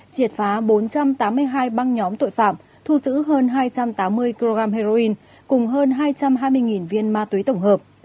triệt phá bốn trăm tám mươi hai băng nhóm tội phạm thu giữ hơn hai trăm tám mươi kg heroin cùng hơn hai trăm hai mươi viên ma túy tổng hợp